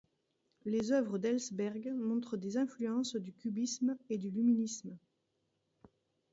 Les œuvres d'Else Berg montrent des influences du cubisme et du luminisme.